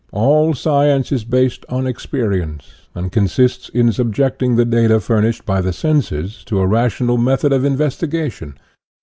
All science is based on experience, and consists in subjecting the data furnished by the senses to a rational method of investigation.